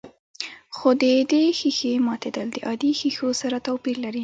خو د دې ښيښې ماتېدل د عادي ښيښو سره توپير لري.